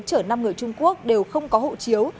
chở năm người trung quốc đều không có hộ chiếu